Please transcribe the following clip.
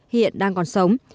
hiện đang còn sống